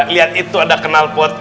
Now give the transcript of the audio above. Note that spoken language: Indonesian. lihat itu ada kenalpot